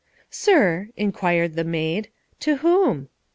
"Sir," inquired the maid, "to whom?"